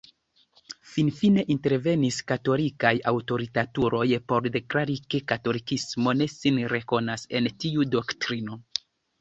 Finfine intervenis katolikaj aŭtoritatuloj por deklari ke katolikismo ne sin rekonas en tiu doktrino.